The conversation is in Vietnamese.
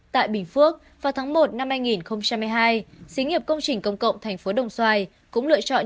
tại bình phước vào tháng một năm hai nghìn hai mươi hai xí nghiệp công trình công cộng thành phố đồng xoài cũng lựa chọn